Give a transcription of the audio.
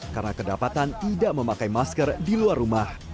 karena kedapatan tidak memakai masker di luar rumah